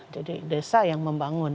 jadi desa yang membangun